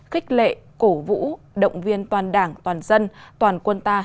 khích lệ cổ vũ động viên toàn đảng toàn dân toàn quân ta